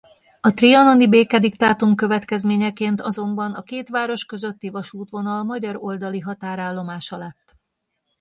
A trianoni békediktátum következményeként azonban a két város közötti vasútvonal magyar oldali határállomása lett.